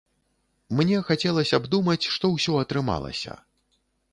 Мне хацелася б думаць, што ўсё атрымалася.